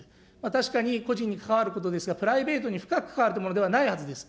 確かに個人に関わることですが、プライベートに深く関わるものではないはずです。